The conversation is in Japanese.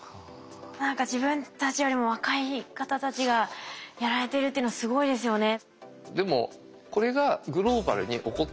何か自分たちよりも若い方たちがやられてるっていうのはすごいですよね。